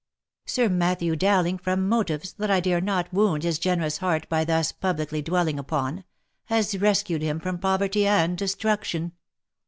Sir Matthew Dowling, from motives, that I dare not wound his generous heart by thus publicly dwelling upon, has rescued him from poverty and destruction.